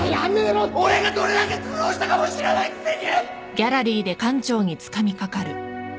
俺がどれだけ苦労したかも知らないくせに！